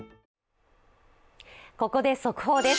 ここで速報です。